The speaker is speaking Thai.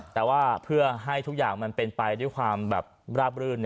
แต่ว่าเพื่อให้ทุกอย่างมันเป็นไปด้วยความแบบราบรื่น